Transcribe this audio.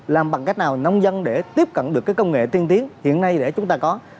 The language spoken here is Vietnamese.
làm bằng cách nào nông dân để tiếp cận được cái công nghệ tiên tiến hiện nay để chúng ta có